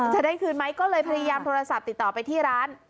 จะได้คืนไหมก็เลยพยายามโทรศัพท์ติดต่อไปที่ร้าน